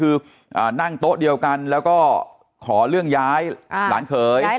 คือนั่งโต๊ะเดียวกันแล้วก็ขอเรื่องย้ายหลานเขย